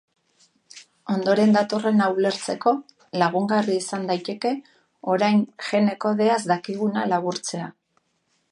Ondoren datorrena ulertzeko, lagungarri izan daiteke orain gene-kodeaz dakiguna laburtzea.